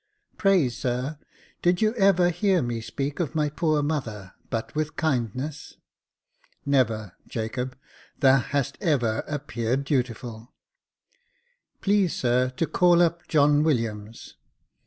" Pray, sir, did you ever hear me speak of my poor mother but with kindness ?"" Never, Jacob ; thou hast ever appeared dutiful." " Please, sir, to call up John Williams."